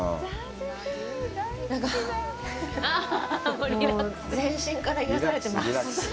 なんか、全身から癒やされてます。